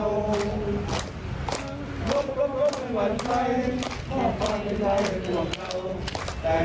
ลุกลบลบมันหวั่นใจฟ้าใจใจให้ทุกคนเขา